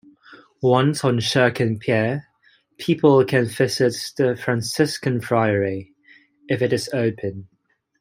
Once on Sherkin pier, people can visit the Franciscan friary, if it is open.